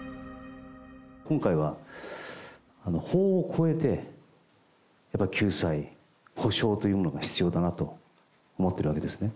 今回は法を超えて、やっぱ救済、補償というものが必要だなと思ってるわけですね。